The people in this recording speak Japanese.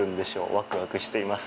ワクワクしています。